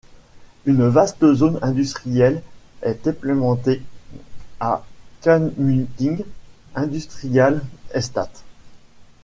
Une vaste zone industrielle est implantée à Kamunting Industrial Estate.